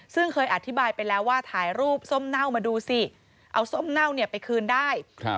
ซึ่งเคยอธิบายไปแล้วว่าถ่ายรูปส้มเน่ามาดูสิเอาส้มเน่าเนี่ยไปคืนได้